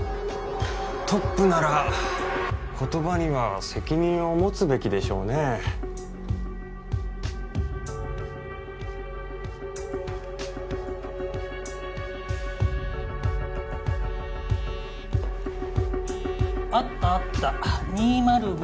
トップなら言葉には責任を持つべきでしょうねあったあった２０５